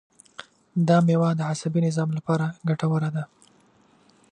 دا مېوه د عصبي نظام لپاره ګټوره ده.